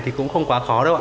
thì cũng không quá khó đâu ạ